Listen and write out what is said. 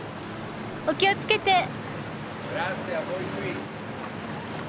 お気をつけて。